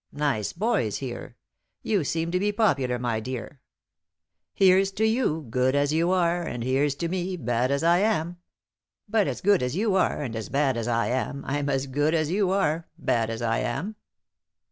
Nice boys here. You seem to be popular, my dear. 'Here's to you, good as you are, and here's to me, bad as I am; but as good as you are, and as bad as I am, I'm as good as you are, bad as I am!